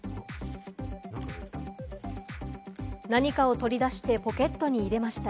何かを取り出してポケットに入れました。